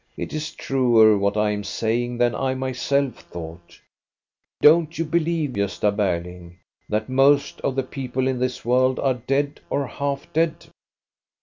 " It is truer, what I am saying, than I myself thought. Pon*t you believe, Gosta Berling, that most of the people in this world are dead or half dead